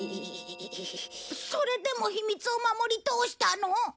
それでも秘密を守り通したの？